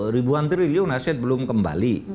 ribuan triliun aset belum kembali